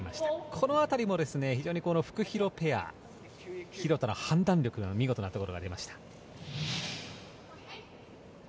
この辺りも非常にフクヒロペア廣田の判断力見事なところがありました。